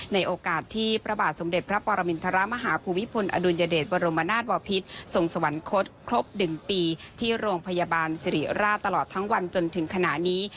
ในโอกาสที่พระบาทสมเด็จพระปรมินทรมาฮภูมิพลอดุลยเดชบรมนาศวพิษทรงสวรรคตครบ๑ปีที่โรงพยาบาลสิริราชตลอดทั้งวันจนถึงขณะนี้